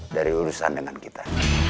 dari urusan dengan kita